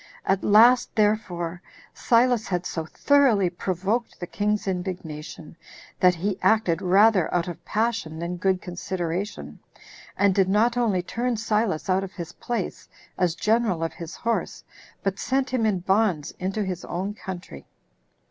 At last, therefore, Silas had so thoroughly provoked the king's indignation, that he acted rather out of passion than good consideration, and did not only turn Silas out of his place, as general of his horse, but sent him in bonds into his own country.